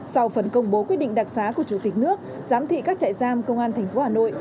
sau phần công bố quyết định đặc sái của chủ tịch nước giám thị các chạy giam công an thành phố hà nội